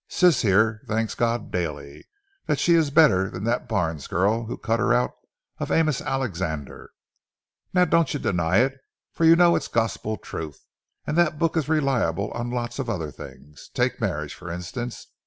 Sis here thanks God daily that she is better than that Barnes girl who cut her out of Amos Alexander. Now, don't you deny it, for you know it's gospel truth! And that book is reliable on lots of other things. Take marriage, for instance.